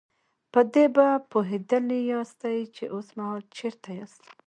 په دې به پوهېدلي ياستئ چې اوسمهال چېرته ياستئ.